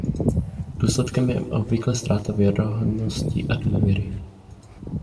Důsledkem je obvykle ztráta věrohodnosti a důvěry.